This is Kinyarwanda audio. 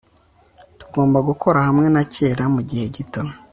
tugomba gukora hamwe na kera mugihe gito